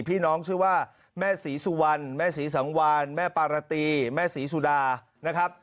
ชื่อว่าแม่ศรีสุวรรณแม่ศรีสังวานแม่ปารตีแม่ศรีสุดานะครับ